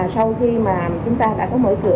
sau khi chúng ta đã có mở cửa